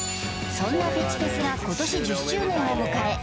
そんなフェチフェスが今年１０周年を迎え